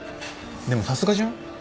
でもさすがじゃん？